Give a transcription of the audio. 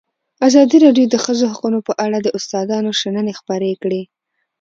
ازادي راډیو د د ښځو حقونه په اړه د استادانو شننې خپرې کړي.